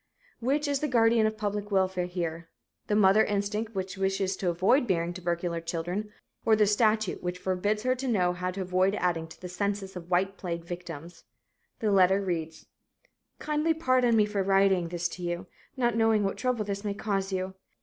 Which is the guardian of public welfare here the mother instinct which wishes to avoid bearing tubercular children, or the statute which forbids her to know how to avoid adding to the census of "white plague" victims? The letter reads: "Kindly pardon me for writing this to you, not knowing what trouble this may cause you.